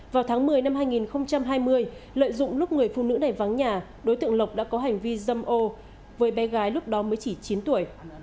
vào tháng một mươi năm hai nghìn hai mươi lợi dụng lúc người phụ nữ này vắng nhà đối tượng lộc đã có hành vi dâm ô với bé gái lúc đó mới chỉ chín tuổi